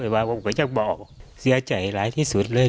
พระโกฐพระเกรียร์ยา้งทั้งนั้น